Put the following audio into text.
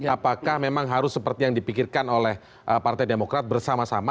apakah memang harus seperti yang dipikirkan oleh partai demokrat bersama sama